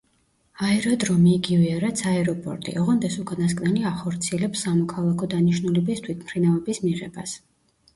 აეროდრომი იგივეა რაც აეროპორტი, ოღონდ ეს უკანასკნელი ახორციელებს სამოქალაქო დანიშნულების თვითმფრინავების მიღებას.